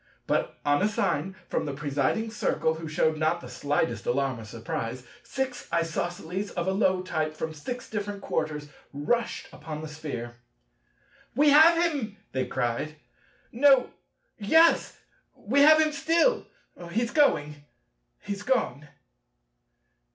But on a sign from the presiding Circle—who shewed not the slightest alarm or surprise—six Isosceles of a low type from six different quarters rushed upon the Sphere. "We have him," they cried; "No; yes; we have him still! he's going! he's gone!"